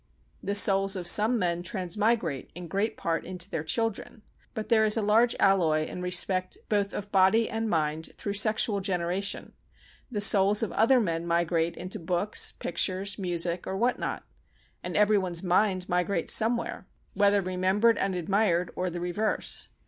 The souls of some men transmigrate in great part into their children, but there is a large alloy in respect both of body and mind through sexual generation; the souls of other men migrate into books, pictures, music, or what not; and every one's mind migrates somewhere, whether remembered and admired or the reverse.